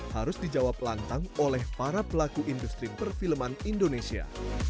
harus dijawab lantang oleh para pelaku industri perfilman indonesia